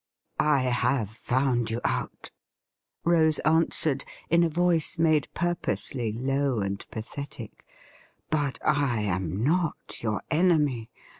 ' I have found you out,' Rose answered, in a voice made puiposely low and pathetic ;' but I am not your enemy.